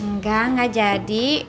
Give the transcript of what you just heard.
enggak gak jadi